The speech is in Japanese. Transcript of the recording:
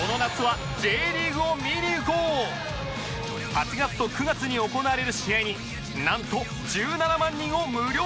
８月と９月に行われる試合になんと１７万人を無料招待！